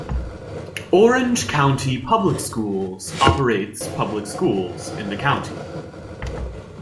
Orange County Public Schools operates public schools in the county.